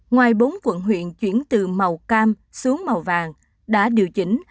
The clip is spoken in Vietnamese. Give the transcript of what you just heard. ngoài bốn quận huyện chuyển từ màu cam xuống màu vàng đã điều chỉnh